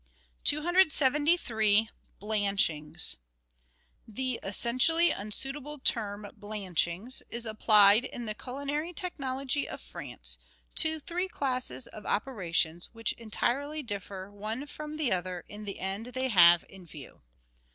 273— BLANCHINGS The essentially unsuitable term blanchings is applied in the culinary technology of France to three classes of operations which entirely differ one from the other in the end they have in view.